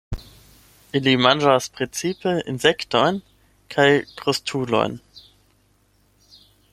Ili manĝas precipe insektojn kaj krustulojn.